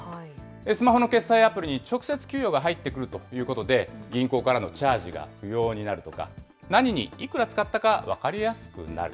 スマホの決済アプリに直接給与が入ってくるということで、銀行からのチャージが不要になるとか、何にいくら使ったか分かりやすくなる。